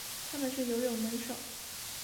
它们是游泳能手。